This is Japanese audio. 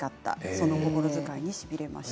その心遣いにしびれました。